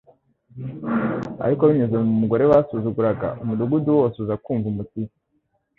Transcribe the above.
Ariko binyuze mu mugore basuzuguraga, umudugudu wose uza kumva Umukiza.